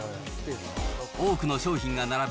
多くの商品が並ぶ